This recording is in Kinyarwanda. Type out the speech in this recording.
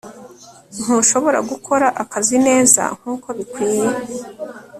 ntushobora gukora akazi neza nkuko bikwiye